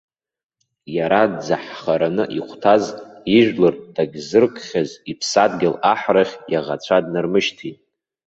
Иара дзаҳхараны ихәҭаз, ижәлар дагьззыркхьаз иԥсадгьыл аҳрахь иаӷацәа днармышьҭит!